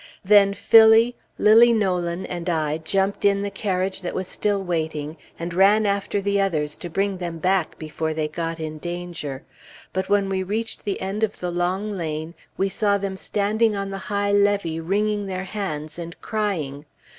Then Phillie, Lilly (Nolan), and I jumped in the carriage that was still waiting, and ran after the others to bring them back before they got in danger; but when we reached the end of the long lane, we saw them standing on the high levee, wringing their hands and crying.